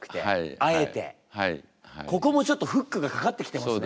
ここもちょっとフックがかかってきてますね。